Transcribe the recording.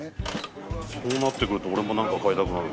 そうなってくると俺も何か買いたくなる。